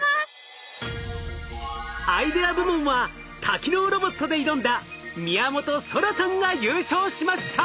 アイデア部門は多機能ロボットで挑んだ宮本昊さんが優勝しました。